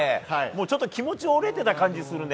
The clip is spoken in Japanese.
ちょっと気持ち折れていた感じがするね。